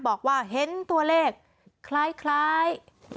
บอกว่าเห็นตัวเลขคล้าย